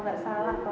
bahkan saya dulu pas